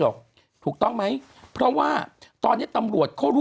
คุณหนุ่มกัญชัยได้เล่าใหญ่ใจความไปสักส่วนใหญ่แล้ว